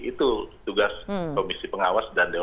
itu tugas komisi pengawas dan dewan